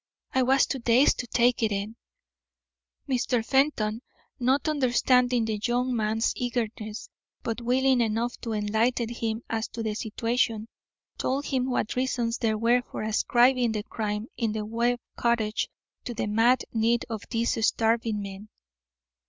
I was too dazed to take it in." Mr. Fenton, not understanding the young man's eagerness, but willing enough to enlighten him as to the situation, told him what reasons there were for ascribing the crime in the Webb cottage to the mad need of these starving men.